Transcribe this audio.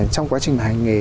trong quá trình mà hành nghề